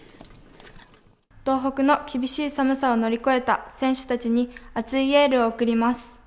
東北の厳しい寒さを乗り越えた選手たちに熱いエールを送ります。